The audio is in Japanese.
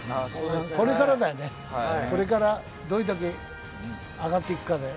これからだよね、これからどれだけ上がっていくかだよ。